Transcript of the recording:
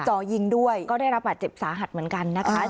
จ่อยิงด้วยก็ได้รับบาดเจ็บสาหัสเหมือนกันนะคะ